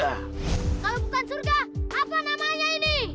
kalau bukan surga apa namanya ini